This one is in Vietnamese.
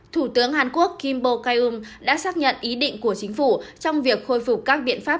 thủ tướng hàn quốc kim bo kyung đã xác nhận ý định của chính phủ trong việc khôi phục các biện pháp